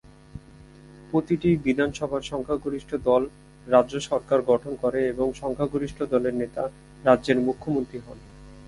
প্রতিটি বিধানসভায় সংখ্যাগরিষ্ঠ দল রাজ্য সরকার গঠন করে এবং সংখ্যাগরিষ্ঠ দলের নেতা রাজ্যের মুখ্যমন্ত্রী হন।